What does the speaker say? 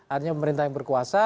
artinya pemerintah yang berkuasa